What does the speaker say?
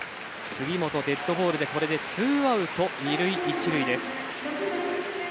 杉本、デッドボールでこれでツーアウト２塁１塁です。